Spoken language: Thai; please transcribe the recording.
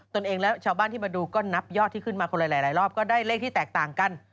ตัวเองและชาวบ้านที่มาดูก็นับยอดที่ขึ้นมาคนละหลายรอบก็ได้เลขที่แตกต่างกัน